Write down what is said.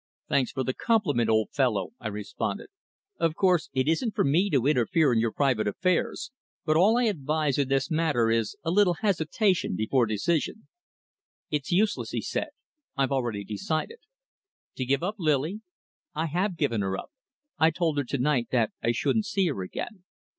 "Thanks for the compliment, old fellow," I responded. "Of course it isn't for me to interfere in your private affairs, but all I advise in this matter is a little hesitation before decision." "It's useless," he said. "I've already decided." "To give up Lily?" "I have given her up. I told her to night that I shouldn't see her again."